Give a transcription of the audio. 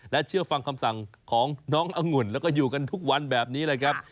และเชื่อฟังคำสั่งของน้องอังุ่นแล้วก็อยู่กันทุกวันแบบนี้เลยครับ